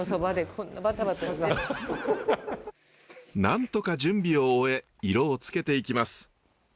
なんとか準備を終え色をつけていきます。